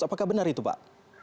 apakah benar itu pak